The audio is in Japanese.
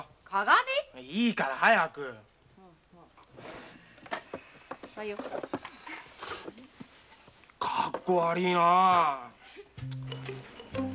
いいから早くカッコ悪いな。